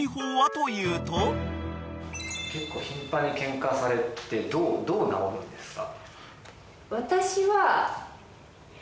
結構頻繁にケンカされてどう直るんですか？